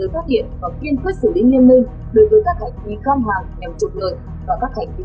các giấy tờ như giấy thách lái xe đăng ký xe